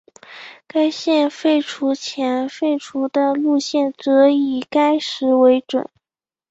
该线废除前废除的路线则以该时为准。